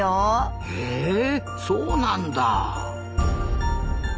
へえそうなんだ。